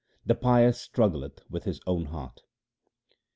Nanak, the pious man struggleth with his own heart.